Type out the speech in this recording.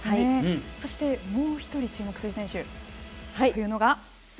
そしてもう１人注目する選手というのが。